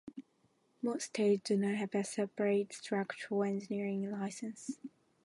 Most states do not have a separate structural engineering license.